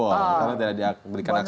karena dia diberikan akses